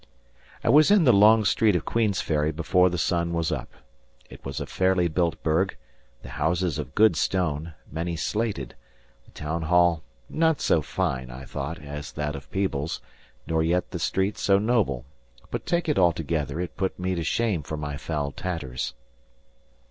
I was in the long street of Queensferry before the sun was up. It was a fairly built burgh, the houses of good stone, many slated; the town hall not so fine, I thought, as that of Peebles, nor yet the street so noble; but take it altogether, it put me to shame for my foul tatters.